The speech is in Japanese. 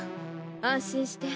安心して。